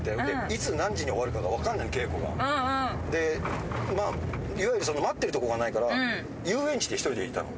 いつ何時に終わるかが分かんないの稽古が。で待ってるとこがないから遊園地で１人でいたの。